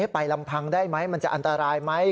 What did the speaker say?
ไปลำพังได้ไหมมันจะอันตรายไหม